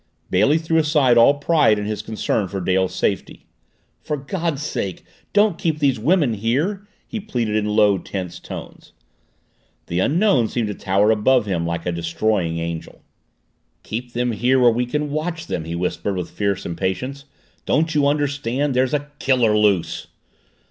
Bailey threw aside all pride in his concern for Dale's safety. "For God's sake, don't keep these women here!" he pleaded in low, tense tones. The Unknown seemed to tower above him like a destroying angel. "Keep them here where we can watch them!" he whispered with fierce impatience. "Don't you understand? There's a KILLER loose!"